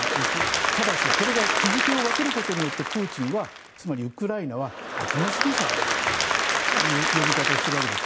ただし、これが日付を分けることによってプーチンは、つまりウクライナは悪魔主義者だという呼び方をしてるわけです。